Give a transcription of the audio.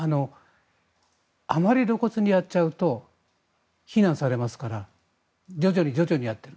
あまり露骨にやっちゃうと非難されますから徐々に徐々にやっている。